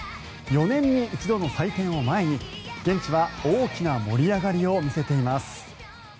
４年に一度の祭典を前に現地は大きな盛り上がりを見せています。